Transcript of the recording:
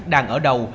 đang ở đầu